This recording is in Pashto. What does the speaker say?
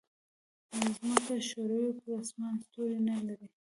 پر ځمکه ښوری او پر اسمان ستوری نه لري.